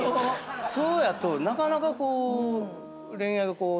そうやとなかなか恋愛がこうね。